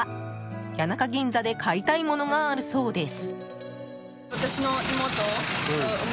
谷中銀座で買いたいものがあるそうです。